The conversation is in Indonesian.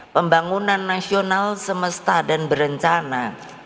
pembangunan nasional semesta dan berencana